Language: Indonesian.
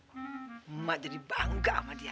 emak emak jadi bangga sama dia